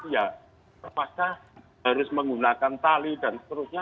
ya terpaksa harus menggunakan tali dan seterusnya